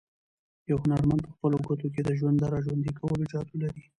یو هنرمند په خپلو ګوتو کې د ژوند د راژوندي کولو جادو لري.